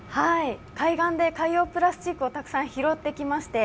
海岸で海洋プラスチックをたくさん拾ってきまして。